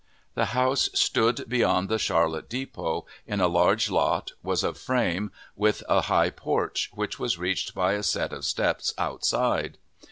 The house stood beyond the Charlotte depot, in a large lot, was of frame, with a high porch, which was reached by a set of steps outside.